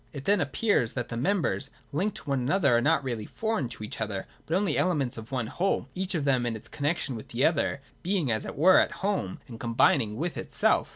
It then appears that the members, linked to one another, are not really foreign to each other, but only elements of one whole, each of them, in its connexion with the other, being, as it were, at home, and combining with itself.